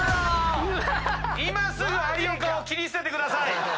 今すぐ有岡を切り捨ててください。